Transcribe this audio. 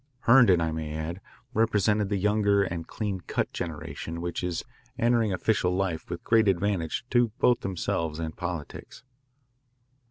Herndon, I may add, represented the younger and clean cut generation which is entering official life with great advantage to both themselves and politics.